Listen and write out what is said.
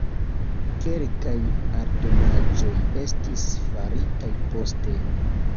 Kelkaj aldonaĵoj estis faritaj poste.